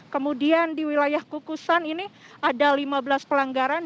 kemudian di wilayah kukusan ini ada lima belas pelanggaran